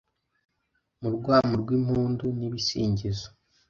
mu rwamu rw'impundu n'ibisingizo